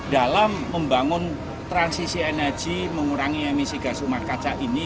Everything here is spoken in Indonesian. dalam membangun transisi energi mengurangi emisi gas rumah kaca ini